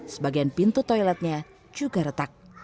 sebagian pintu toiletnya juga retak